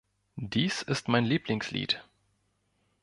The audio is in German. Dies ist mein Lieblingslied.